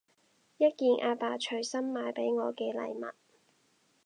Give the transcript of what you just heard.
一件阿爸隨心買畀我嘅禮物